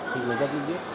thì người dân cũng biết